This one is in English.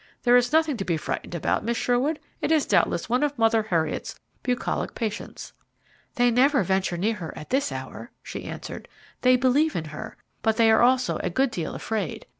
"There is nothing to be frightened about, Miss Sherwood. It is doubtless one of Mother Heriot's bucolic patients." "They never venture near her at this hour," she answered. "They believe in her, but they are also a good deal afraid.